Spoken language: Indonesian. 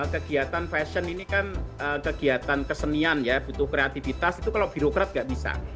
kegiatan fashion ini kan kegiatan kesenian ya butuh kreativitas itu kalau birokrat nggak bisa